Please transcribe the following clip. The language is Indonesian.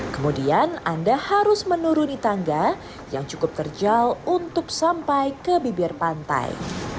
kemudian anda harus menuruni tangga yang cukup terjal untuk sampai ke bibir pantai